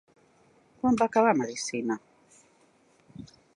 Quan va acabar Medicina?